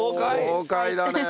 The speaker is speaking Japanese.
豪快だねえ。